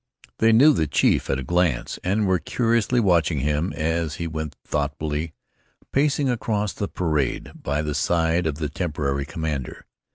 They knew the chief at a glance, and were curiously watching him as he went thoughtfully pacing across the parade by the side of the temporary commander.